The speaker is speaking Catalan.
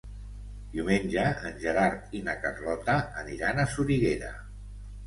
Diumenge en Gerard i na Carlota aniran a Soriguera.